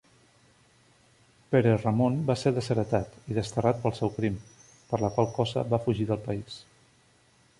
Pere-Ramon va ser desheretat i desterrat pel seu crim, per la qual cosa va fugir del país.